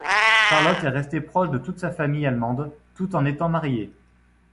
Charlotte est restée proche de toute sa famille allemande tout en étant mariée.